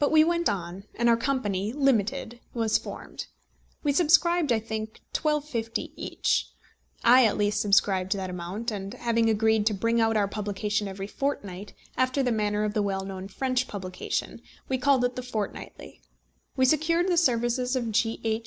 But we went on, and our company limited was formed. We subscribed, I think, £1250 each. I at least subscribed that amount, and having agreed to bring out our publication every fortnight, after the manner of the well known French publication, we called it The Fortnightly. We secured the services of G. H.